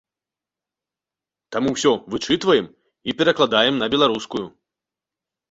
Таму ўсё вычытваем і перакладаем на беларускую.